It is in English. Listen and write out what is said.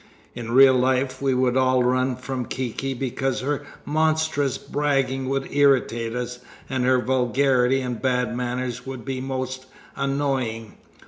In real life we would all run from Kiki because her monstrous bragging would irritate us, and her vulgarity and bad manners would be most annoying."